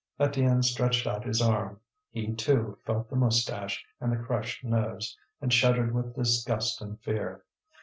Étienne stretched out his arm; he, too, felt the moustache and the crushed nose, and shuddered with disgust and fear.